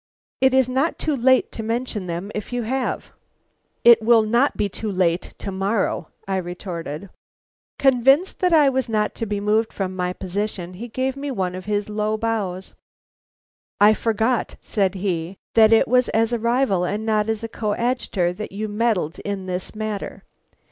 It is not too late to mention them, if you have." "It will not be too late to morrow," I retorted. Convinced that I was not to be moved from my position, he gave me one of his low bows. "I forgot," said he, "that it was as a rival and not as a coadjutor you meddled in this matter."